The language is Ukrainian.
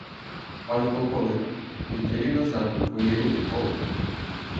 — Пане полковнику! Віддаю назад у твої руки полк.